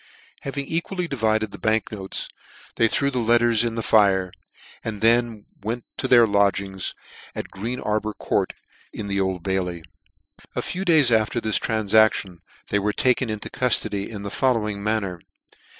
Having equally divided the bank notes> they threw the letters in the fire, and then went to their lodgings in Green Arbour Court in the Old* o o Bailey. A few days after this tranfaction they were taken into cuilody, in the following manner.